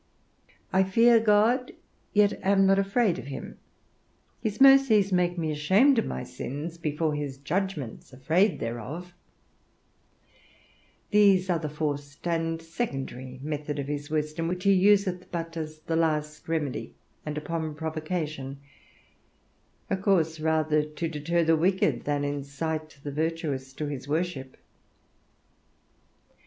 I fear God, yet am not afraid of him; his mercies make me ashamed of my sins, before his judgments afraid thereof; these are the forced and secondary method of his wisdom, which he useth but as the last remedy, and upon provocation: a course rather to deter the wicked than incite the virtuous to his worship.